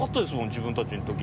自分たちの時。